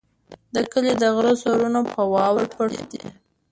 د کلي د غره سرونه په واورو پټ دي.